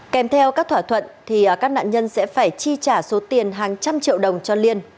kèm theo các thỏa thuận thì các nạn nhân sẽ phải chi trả số tiền hàng trăm triệu đồng cho liên